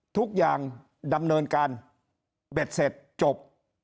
ทุกอย่างดำเนินการเบ็ดเสร็จจบ